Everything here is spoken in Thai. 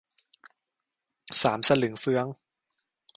สามสลึงเฟื้อง